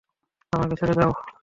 আমাকে ছেড়ে দাও।